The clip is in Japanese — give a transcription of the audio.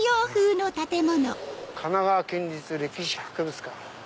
「神奈川県立歴史博物館」。